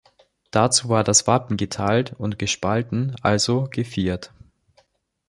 Dazu war das Wappen geteilt und gespalten, also geviert.